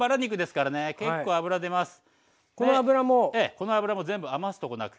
この脂も全部余すとこなく。